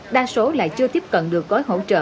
đa số lại chưa tiếp cận được gói hỗ trợ